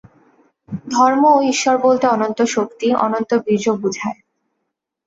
ধর্ম ও ঈশ্বর বলতে অনন্ত শক্তি, অনন্ত বীর্য বুঝায়।